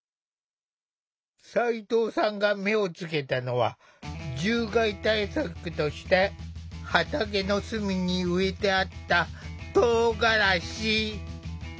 齋藤さんが目をつけたのは獣害対策として畑の隅に植えてあったとうがらし。